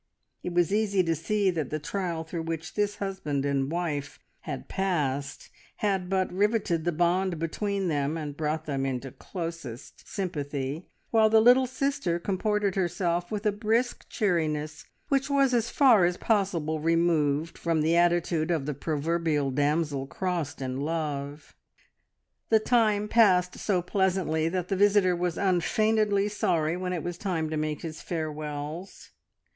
It was easy to see that the trial through which this husband and wife had passed had but riveted the bond between them and brought them into closest sympathy, while the little sister comported herself with a brisk cheeriness which was as far as possible removed from the attitude of the proverbial damsel crossed in love. The time passed so pleasantly that the visitor was unfeignedly sorry when it was time to make his farewells.